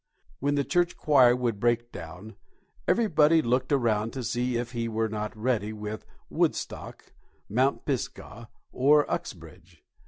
When the church choir would break down, everybody looked around to see if he were not ready with "Woodstock," "Mount Pisgah" or "Uxbridge."